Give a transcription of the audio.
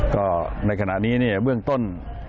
ก็ในขณะนี้เนี่ยเบื้องต้น